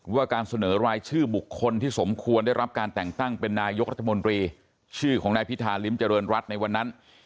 ว่าการเสนอรายชื่อบุคคลที่สมควรได้รับการแต่งตั้งเป็นนายกรัฐมนตรีชื่อของนายพิธาริมเจริญรัฐในวันนั้น